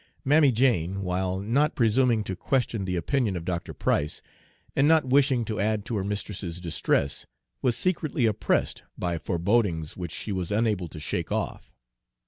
Mammy Jane, while not presuming to question the opinion of Dr. Price, and not wishing to add to her mistress's distress, was secretly oppressed by forebodings which she was unable to shake off.